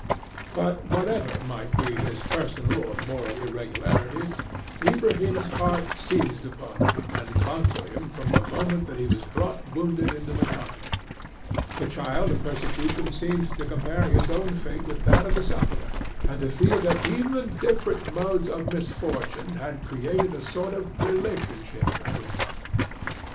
But, whatever might be his personal or moral irregularities, Ilbrahim's heart seized upon and clung to him from the moment that he was brought wounded into the cottage; the child of persecution seemed to compare his own fate with that of the sufferer, and to feel that even different modes of misfortune had created a sort of relationship between them.